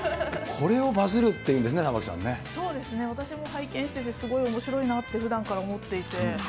これをバズるっていうんですそうですね、私も拝見していて、おもしろいなってふだんから思っていて。